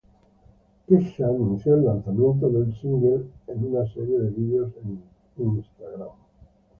Kesha anunció el lanzamiento del single en una serie de videos en Instagram.